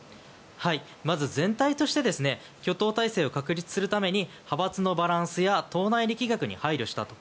まず全体として挙党体制を確立するために派閥のバランスや党内力学に配慮したと。